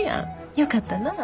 よかったなぁ。